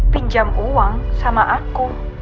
pinjam uang sama aku